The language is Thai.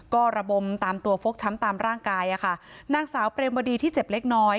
ก็ระบมตามตัวฟกช้ำตามร่างกายอะค่ะนางสาวเปรมวดีที่เจ็บเล็กน้อย